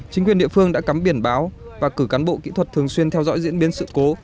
chính quyền địa phương đã cắm biển báo và cử cán bộ kỹ thuật thường xuyên theo dõi diễn biến sự cố